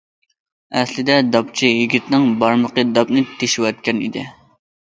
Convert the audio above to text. ئەسلىدە داپچى يىگىتنىڭ بارمىقى داپنى تېشىۋەتكەن ئىدى.